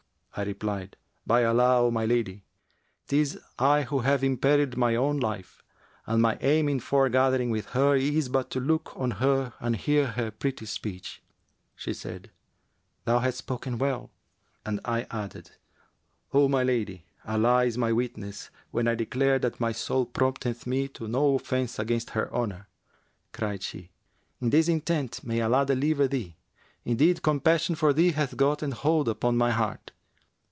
I replied, 'By Allah, O my lady, 'tis I who have imperilled my own life, and my aim in foregathering with her is but to look on her and hear her pretty speech.' She said, 'Thou hast spoken well;' and I added, 'O my lady, Allah is my witness when I declare that my soul prompteth me to no offence against her honour.' Cried she, 'In this intent may Allah deliver thee! Indeed compassion for thee hath gotten hold upon my heart.'